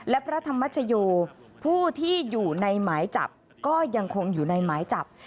และพระธรรมชโยผู้ที่อยู่ในหมายจับก็ยังคงอยู่ในหมายจับ